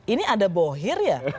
ini ada bohir ya